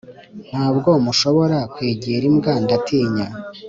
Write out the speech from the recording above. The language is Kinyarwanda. ntabwo mushobora kwegera imbwa ndatinya